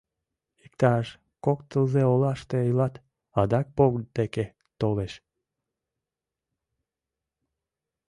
Иктаж кок тылзе олаште илат, адак поп деке толеш.